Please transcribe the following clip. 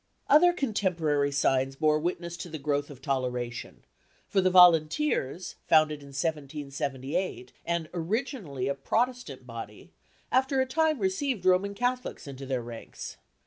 Other contemporary signs bore witness to the growth of toleration; for the Volunteers, founded in 1778, and originally a Protestant body, after a time received Roman Catholics into their ranks.